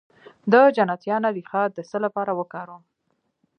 د جنتیانا ریښه د څه لپاره وکاروم؟